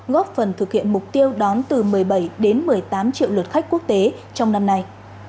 góp phần thực hiện mục tiêu đón từ một mươi bảy đến một mươi tám triệu lượt khách quốc tế trong năm nay